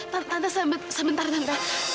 tante sebentar tante